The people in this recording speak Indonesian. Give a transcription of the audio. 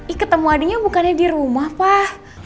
ikut temu adinya bukannya di rumah pak